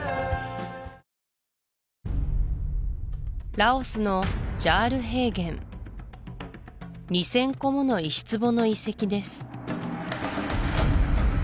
ラオスのジャール平原２０００個もの石壺の遺跡です